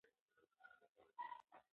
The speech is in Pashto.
سترګې پټې کړه او د زړه غوږ ونیسه.